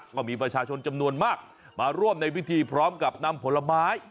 ก็มีประชาชนจำนวนมากมาร่วมในพิธีพร้อมกับนำผลไม้